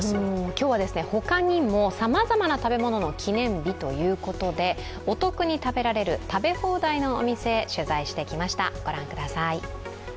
今日は他にもさまざまな食べ物の記念日ということでお得に食べられる食べ放題のお店を取材してきました、ご覧ください。